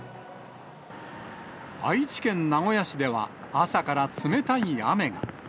愛知県名古屋市では朝から冷たい雨が。